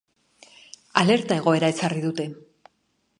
Alerta egoera ezarri dute.